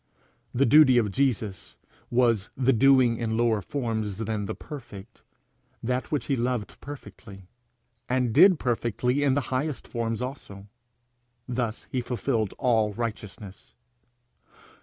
The duty of Jesus was the doing in lower forms than the perfect that which he loved perfectly, and did perfectly in the highest forms also. Thus he fulfilled all righteousness.